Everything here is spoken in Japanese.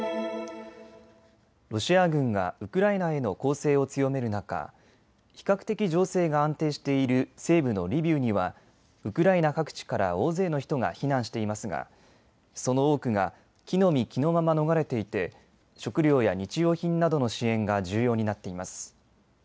ロシア軍がウクライナへの攻勢を強める中、比較的情勢が安定している西部のリビウにはウクライナ各地から大勢の人が避難していますがその多くが着のみ着のまま逃れていて食料や日用品などの支援が重要になっています。